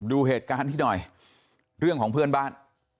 ดูเหตุการณ์นี้หน่อยเรื่องของเพื่อนบ้าน